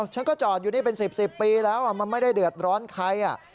ฉันก็จอดอยู่นี่เป็น๑๐ปีแล้วมันไม่ได้เดือดร้อนใคร